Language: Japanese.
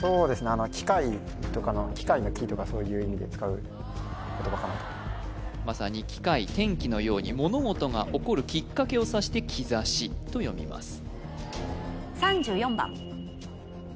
あの機会とかの機会の「機」とかそういう意味で使う言葉かなとまさに機会転機のように物事が起こるきっかけを指して「きざし」と読みます